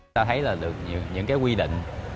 ta thấy là được những quy định